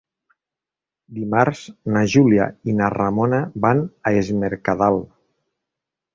Dimarts na Júlia i na Ramona van a Es Mercadal.